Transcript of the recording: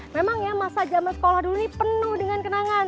memang ya masa zaman sekolah dulu ini penuh dengan kenangan